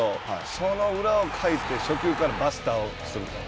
その裏をかいて初球からバスターをすると。